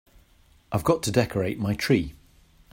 I've got to decorate my tree.